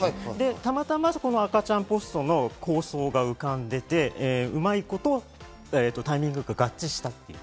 たまたま赤ちゃんポストの構想が浮かんでて、うまいことタイミングよく合致した。